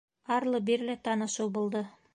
Арлы-бирле танышыу булды.